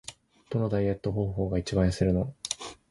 どのダイエット方法が一番痩せるの？